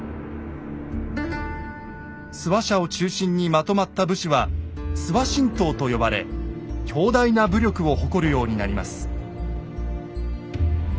諏訪社を中心にまとまった武士は「諏訪神党」と呼ばれ強大な武力を誇るようになります。